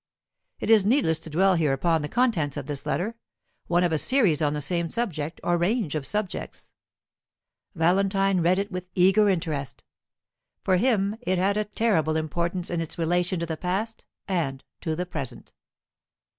It is needless to dwell here upon the contents of this letter one of a series on the same subject, or range of subjects. Valentine read it with eager interest. For him it had a terrible importance in its relation to the past and to the present.